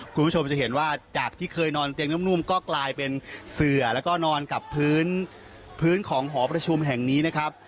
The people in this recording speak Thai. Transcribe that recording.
คุณผู้ชมจะเห็นว่าจากที่เคยนอนเตียงนุ่มก็กลายเป็นเสือแล้วก็นอนกับพื้นพื้นของหอประชุมแห่งนี้นะครับ